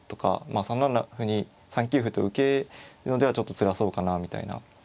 まあ３七歩に３九歩と受けるのではちょっとつらそうかなみたいな。